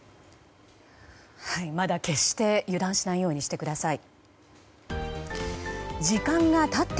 まだ決して油断しないようにしてください。